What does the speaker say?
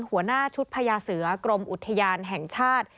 หัวหน้าชุดพญาเสือกรมอุทยานแห่งชาติ